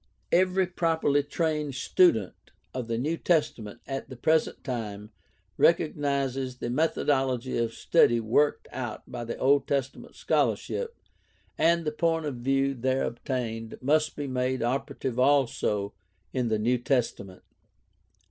— Every properly trained student of the New Testament at the present time recognizes that the methodology of study worked out by Old Testament scholarship and the point of view there ob tained must be made operative also in the New Testament.